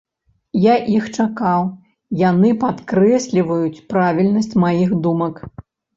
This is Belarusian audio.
Я іх чакаў, яны падкрэсліваюць правільнасць маіх думак.